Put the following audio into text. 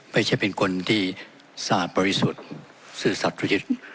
ไม่ใช่เป็นคนที่สะอาดบริสุทธิ์ศื่อสรรภุจิษฐธรรม